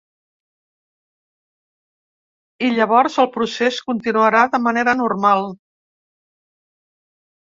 I llavors el procés continuarà de manera normal.